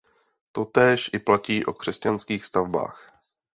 Totéž i platí o křesťanských stavbách.